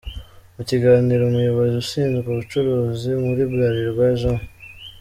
Mu kiganiro umuyobozi ushinzwe ubucuruzi muri Bralirwa, Jan.